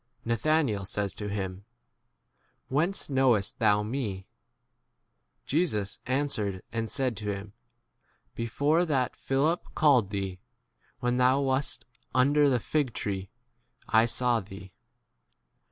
Na thanael says to him, Whence knowest thou me ? Jesus answer ed and said to him, Before that Philip called thee, when thou wast under the fig tree, I saw thee.